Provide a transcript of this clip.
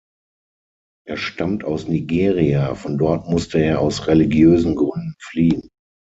Er stammt aus Nigeria, von dort musste er aus religiösen Gründen fliehen.